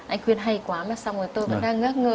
anh khuyên hay quá mà xong rồi tôi vẫn đang ngớ ngơ